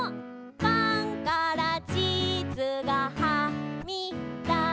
「パンからチーズがはみだした」